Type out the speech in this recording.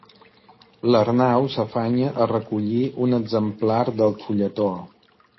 L'Arnau s'afanya a recollir un exemplar del fulletó.